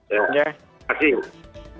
ya terima kasih